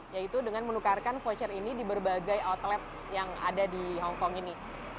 yaitu dengan menukarkan voucher ini di berbagai outlet yang ada di hongkong ini